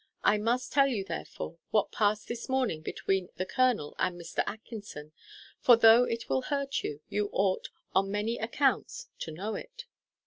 I must tell you, therefore, what past this morning between the colonel and Mr. Atkinson; for, though it will hurt you, you ought, on many accounts, to know it."